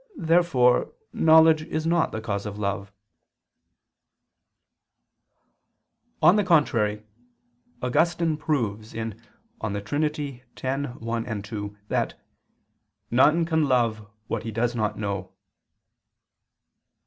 Therefore knowledge is not the cause of love. On the contrary, Augustine proves (De Trin. x, 1, 2) that "none can love what he does not know."